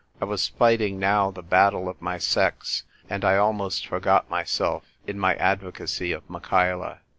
I was fighting now the battle of my sex, and I almost forgot myself in my advocacy of Michaela.